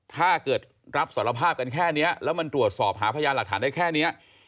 ถ้าเกิดรับสารภาพกันแค่นี้แล้วมันตรวจสอบหาพยานหลักฐานได้แค่นี้